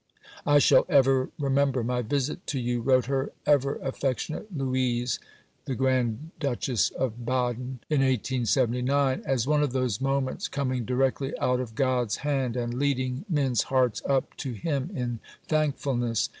"I shall ever remember my visit to you," wrote her "ever affectionate Luise" (the Grand Duchess of Baden) in 1879, "as one of those moments coming directly out of God's hand and leading men's hearts up to Him in thankfulness.